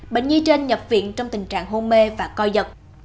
bệnh nhi trên nhập viện trong tình trạng hôn mê và coi giật